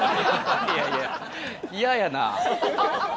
いやいや嫌やなあ。